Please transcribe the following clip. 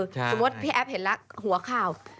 สมมุติพี่แอฟเห็นแล้วหัวข่าว